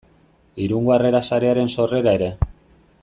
Irungo Harrera Sarearen sorrera ere.